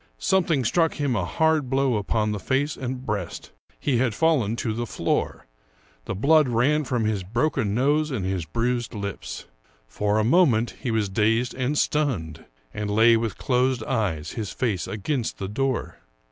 Something struck him a hard blow upon the face and breast. He had fallen to the floor ; the blood ran from his broken nose and his bruised lips. For a moment he was dazed and stunned, and lay with closed eyes, his face against the door.